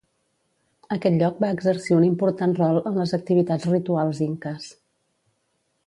Aquest lloc va exercir un important rol en les activitats rituals inques.